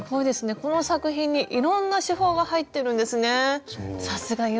この作品にいろんな手法が入ってるんですね。